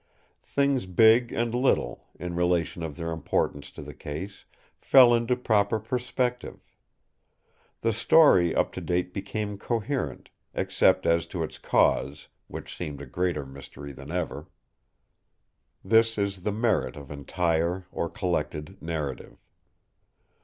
Things big and little, in relation of their importance to the case, fell into proper perspective. The story up to date became coherent, except as to its cause, which seemed a greater mystery than ever. This is the merit of entire, or collected, narrative.